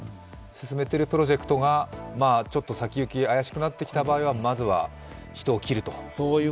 進めているプロジェクトが先行き怪しくなってきた場合はまずは人を切ると。